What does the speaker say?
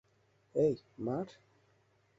এই, মার।